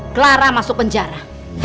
clara masuk penjara